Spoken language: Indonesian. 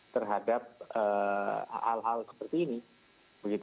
terhadap hal hal seperti ini